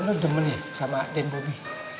lo demen ya sama den bobby